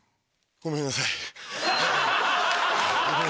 ごめんなさい。